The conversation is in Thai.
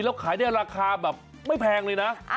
แล้วขายได้ราคาแบบไม่แพงเลยนะ